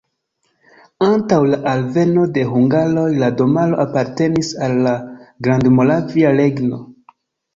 Antaŭ la alveno de hungaroj la domaro apartenis al la Grandmoravia Regno.